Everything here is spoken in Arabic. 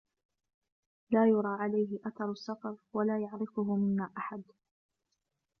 لا يُرَى عَلَيْهِ أَثَرُ السَّفَرِ، وَلا يَعْرِفُهُ مِنَّا أَحَدٌ،